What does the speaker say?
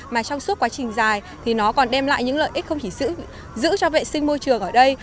mà trong suốt quá trình dài thì nó còn đem lại những lợi ích không chỉ giữ cho vệ sinh môi trường ở đây